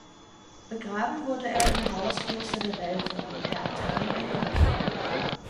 Begraben wurde er im Hauskloster der Welfen, der Abtei Weingarten.